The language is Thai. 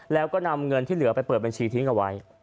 แล้วก็นำเงินที่เหลือไปเปิดบัญชีทิ้งเอาไว้